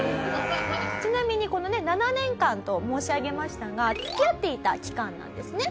ちなみにこのね７年間と申し上げましたが付き合っていた期間なんですね。